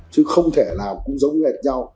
chứ không thể nào cũng giống như lệch nhau